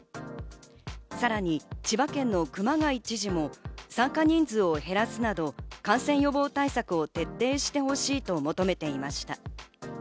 さらに千葉県の熊谷知事も参加人数を減らすなど感染予防対策を徹底してほしいと求めていました。